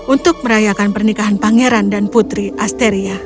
untuk merayakan pernikahan pangeran dan putri asteria